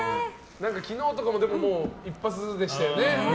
昨日とかは一発でしたよね。